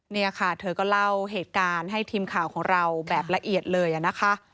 นี่ค่ะเธอก็เล่าเหตุการณ์ให้ทีมข่าวของเราแบบละเอียดเลยนะคะ